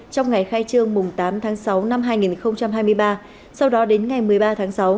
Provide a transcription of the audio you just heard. trong ngày khai trương tám tháng sáu năm hai nghìn hai mươi ba sau đó đến ngày một mươi ba tháng sáu